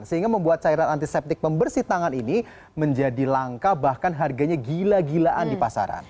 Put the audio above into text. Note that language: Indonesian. sehingga membuat cairan antiseptik pembersih tangan ini menjadi langka bahkan harganya gila gilaan di pasaran